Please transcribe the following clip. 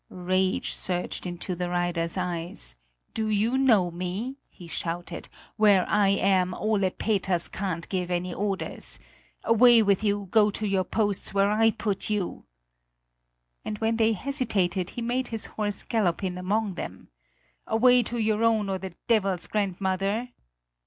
Rage surged into the rider's eyes. "Do you know me?" he shouted. "Where I am, Ole Peters can't give any orders! Away with you! Go to your posts, where I put you!" And when they hesitated, he made his horse gallop in among them. "Away to your own or the devil's grandmother!"